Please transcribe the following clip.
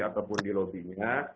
ataupun di lobby nya